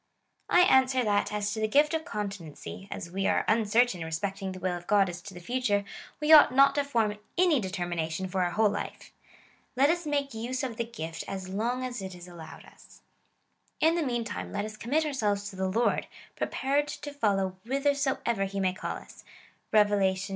I answer that, as to the gift of continency, as we are uncer tain respecting the will of God as to the future, we ought not to form any determination for our whole life. Let us make use of the gift as long as it is allowed us. In the meantime, let us commit ourselves to the Lord, prepared to follow whithersoever he may call us. (Rev. xiv.